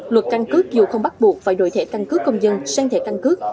luật căn cước dù không bắt buộc phải đổi thẻ căn cước công dân sang thẻ căn cước